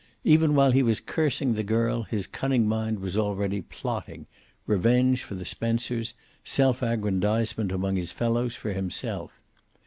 Even while he was cursing the girl his cunning mind was already plotting, revenge for the Spencers, self aggrandizement among his fellows for himself.